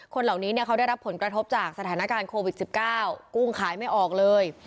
คนเหล่านี้เขาได้รับผลกระทบจากสถานการณ์โควิด๑๙กุ้งขายไม่ออกเลย